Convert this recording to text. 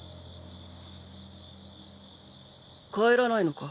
帰らないのか？